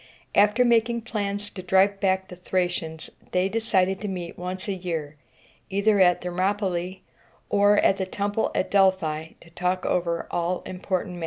After making plans to drive back the Thracians, they decided to meet once a year, either at Thermopylæ or at the temple at Delphi, to talk over all important matters.